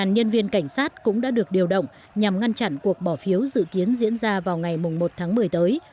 một nhân viên cảnh sát cũng đã được điều động nhằm ngăn chặn cuộc bỏ phiếu dự kiến diễn ra vào ngày một tháng một mươi tới